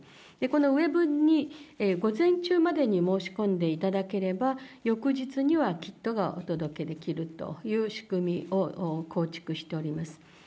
このウェブに午前中までに申し込んでいただければ、翌日にはキットがお届けできるという仕組みを構築しております。